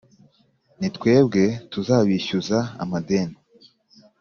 ni twebwe tuzabishyuza amadeni